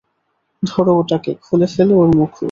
ধরো ওটাকে, খুলে ফেল ওর মুখোশ।